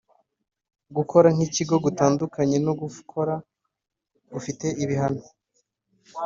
gukora nk ikigo gutandukanye no gukora gufite ibihano